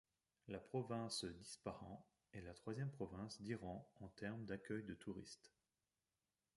La province d'Ispahan est la troisième province d'Iran en termes d'accueil de touristes.